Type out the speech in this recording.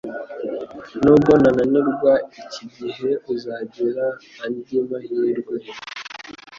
Nubwo wananirwa iki gihe uzagira andi mahirwe